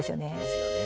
ですよね。